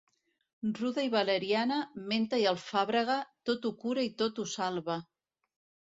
Ruda i valeriana, menta i alfàbrega, tot ho cura i tot ho salva.